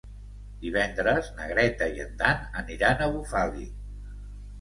Divendres na Greta i en Dan aniran a Bufali.